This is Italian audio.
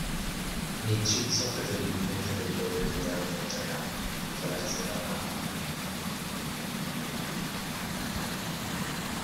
Nicci soffre terribilmente per il dolore inviato da Jagang attraverso il Rada-han.